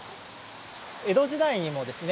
江戸時代にもですね